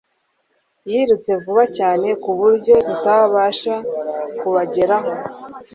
Yirutse vuba cyane kuburyo tutabasha kubageraho.